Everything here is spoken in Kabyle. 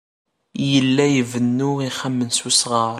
Yella ibennu ixxamen s wesɣar.